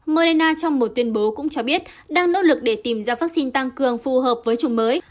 mona trong một tuyên bố cũng cho biết đang nỗ lực để tìm ra vaccine tăng cường phù hợp với chủng mới